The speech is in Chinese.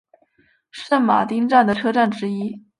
圣马丁站的车站之一。